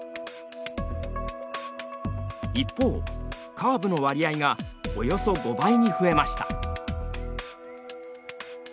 一方カーブの割合がおよそ５倍に増えました。